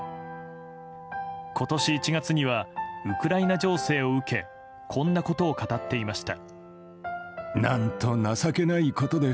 今年１月にはウクライナ情勢を受けこんなことを語っていました。